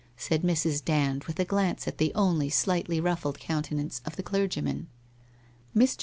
said Mrs. Dand with a glance at the only slightly ruffled countenance of the clergyman. Mr.